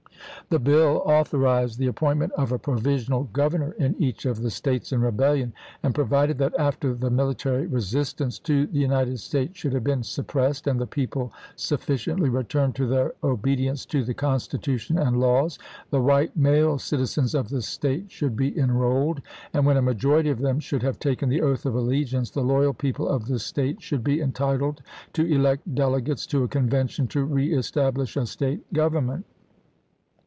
The bill authorized the 116 ABRAHAM LINCOLN chap.v. appointment of a provisional governor in each of the States in rebellion, and provided that, after the military resistance to the United States should have been suppressed and the people sufficiently returned to their obedience to the Constitution and laws, the white male citizens of the State should be enrolled ; and when a majority of them should have taken the oath of allegiance, the loyal people of the State should be entitled to elect delegates to a convention to reestablish a State government.